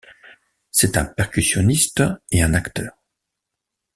C'est un percussionniste et un acteur.